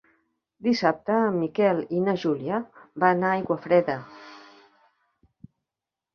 Dissabte en Miquel i na Júlia van a Aiguafreda.